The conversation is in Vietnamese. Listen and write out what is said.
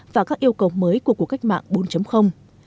và các yêu cầu mới của cuộc cách mạng bốn